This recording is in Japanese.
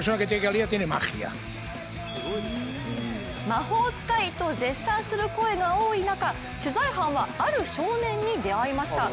魔法使いと絶賛する声が多い中、取材班はある少年に出会いました。